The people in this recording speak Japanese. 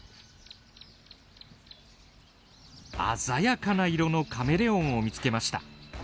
鮮やかな色のカメレオンを見つけました。